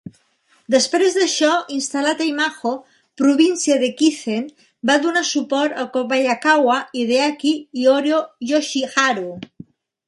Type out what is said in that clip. Després d'això, instal·lat a Imajo, província d'Ekizen, va donar suport a Kobayakawa Hideaki i Horio Yoshiharu.